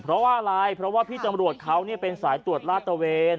เพราะว่าอะไรเพราะว่าพี่ตำรวจเขาเป็นสายตรวจลาดตะเวน